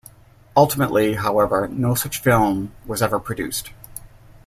Ultimately, however, no such film was ever produced.